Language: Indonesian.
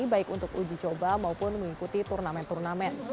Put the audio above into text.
baik untuk uji coba maupun mengikuti turnamen turnamen